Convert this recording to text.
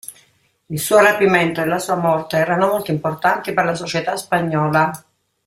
Il suo rapimento e la sua morte erano molto importanti per la società spagnola.